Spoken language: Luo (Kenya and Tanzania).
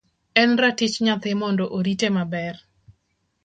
En ratich nyathi mondo orite maber.